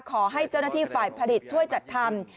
ขอให้เจ้าหน้าที่ฝ่ายผลิตช่วยจัดทำ